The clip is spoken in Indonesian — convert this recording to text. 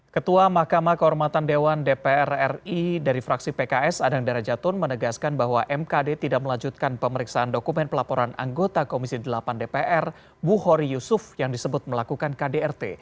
ketua mahkamah kehormatan dewan dpr ri dari fraksi pks adang dara jatun menegaskan bahwa mkd tidak melanjutkan pemeriksaan dokumen pelaporan anggota komisi delapan dpr buhori yusuf yang disebut melakukan kdrt